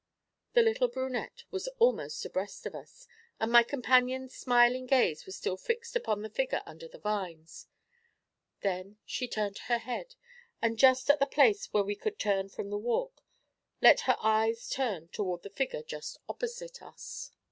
The little brunette was almost abreast of us, and my companion's smiling gaze was still fixed upon the figure under the vines; then she turned her head, and, just at the place where we could turn from the walk, let her eyes turn toward the figure just opposite us.